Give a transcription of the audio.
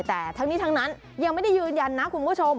แต่ทั้งนี้ทั้งนั้นยังไม่ได้ยืนยันนะคุณผู้ชม